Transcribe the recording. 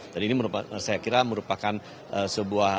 jadi ini saya kira merupakan sebuah